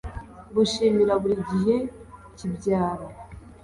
gushimira buri gihe bibyara